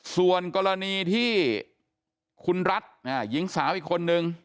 ส่วนกรณีที่คุณรัฐหญิงสาวอีกคนนึง